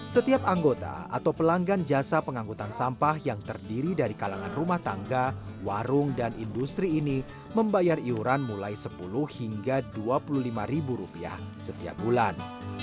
setiap anggota atau pelanggan jasa pengangkutan sampah yang terdiri dari kalangan rumah tangga warung dan industri ini membayar iuran mulai sepuluh hingga dua puluh lima ribu rupiah setiap bulan